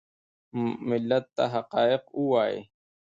ملت ته حقایق ووایي .